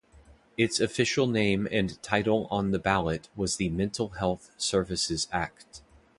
Its official name and title on the ballot was the Mental Health Services Act.